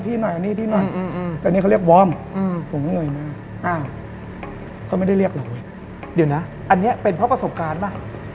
เพราะประสบการณ์บ้าง